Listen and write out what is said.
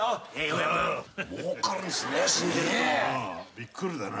びっくりだな。